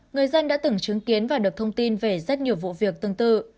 người dân đã từng chứng kiến và được thông tin về rất nhiều vụ việc tương tự